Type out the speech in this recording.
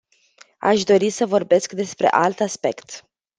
Aș dori să vorbesc despre alt aspect.